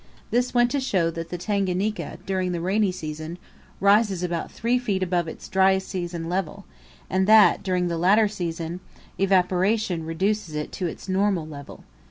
This went to show that the Tanganika, during the rainy season, rises about three feet above its dry season level, and that, during the latter season, evaporation reduces it to its normal level.